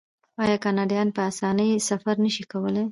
آیا کاناډایان په اسانۍ سفر نشي کولی؟